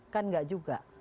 kan nggak juga